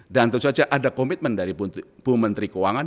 dan tentu saja ada komitmen dari bu menteri keuangan